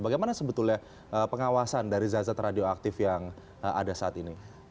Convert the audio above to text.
bagaimana sebetulnya pengawasan dari zat zat radioaktif yang ada saat ini